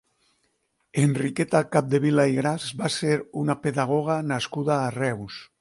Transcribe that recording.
Enriqueta Capdevila i Gras va ser una pedagoga nascuda a Reus.